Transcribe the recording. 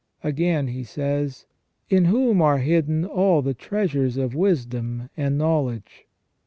Again he says : "In whom are hidden all the treasures of wisdom and knowledge